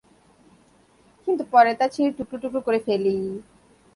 কিন্তু পরে তা ছিড়ে টুকরো-টুকরো করে ফেলি।